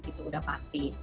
itu udah pasti